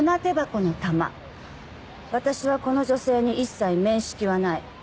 私はこの女性に一切面識はない。